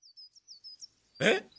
えっ？